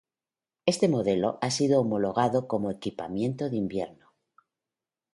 Este modelo ha sido homologado como equipamiento de invierno.